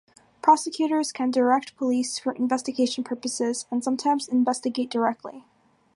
Prosecutors can direct police for investigation purposes, and sometimes investigate directly.